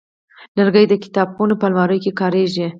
لرګی د کتابخانو په الماریو کې کارېږي.